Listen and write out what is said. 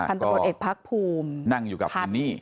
พันธุ์บริกฤษภักดิ์ภักษ์ภูมินั่งอยู่กับคุณนี่